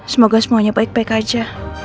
semoga semuanya baik baik aja